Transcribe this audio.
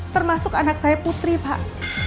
termasuk anak saya putri pak